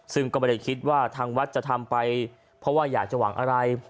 ซึ่งก็ไม่ได้คิดว่าทางวัดจะทำไปเพราะว่าอยากจะหวังอะไร